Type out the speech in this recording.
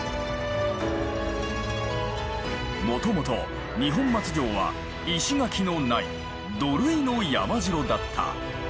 もともと二本松城は石垣のない土塁の山城だった。